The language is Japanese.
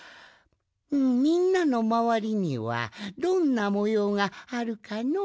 みんなのまわりにはどんなもようがあるかのう？